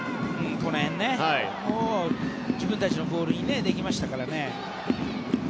この辺ね自分たちのボールにできましたからね。